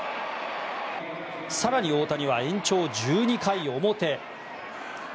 更に大谷は延長１２回表。